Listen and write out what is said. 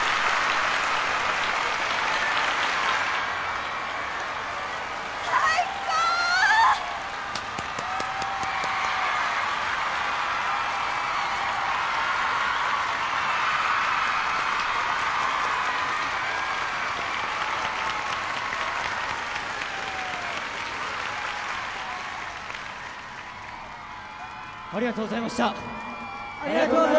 ありがとうございましたっ